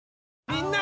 みんな！